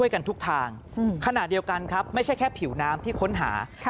ขนาดเดียวกันไม่ใช่แค่ผิวน้ำที่ค้นหา